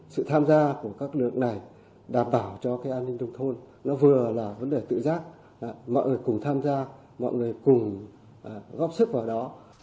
sự tham gia của các lực lượng này đảm bảo cho cái an ninh nông thôn nó vừa là vấn đề tự giác mọi người cùng tham gia mọi người cùng góp sức vào đó